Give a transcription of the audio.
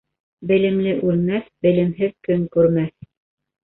Белемле үлмәҫ, белемһеҙ көн күрмәҫ.